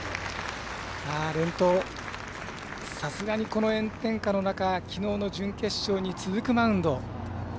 連投、さすがに、この炎天下の中きのうの準決勝に続くマウンド。